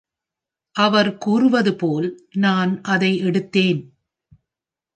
அவர் கூறுவது போல், நான் அதை எடுத்தேன்.